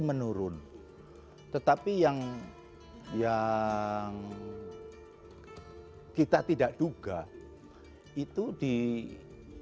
menurun tetapi yang yang kita tidak duga itu di di di follower kalau saya bisa menurutnya di banyumas